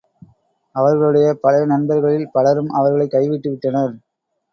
அவர்களுடைய பழைய நண்பர்களில் பலரும் அவர்களைக் கைவிட்டுவிட்டனர்.